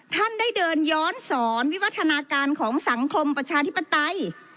ท่านได้เดินย้อนสอนวิวัฒนาการของสังคมประชาธิปไตย